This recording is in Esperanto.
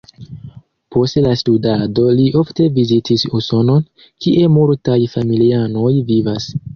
Post la studado li ofte vizitis Usonon, kie multaj familianoj vivas.